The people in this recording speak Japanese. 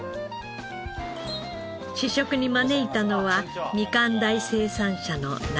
試食に招いたのはみかん鯛生産者の中田さん。